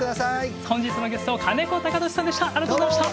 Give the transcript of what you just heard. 本日のゲスト金子貴俊さんでした。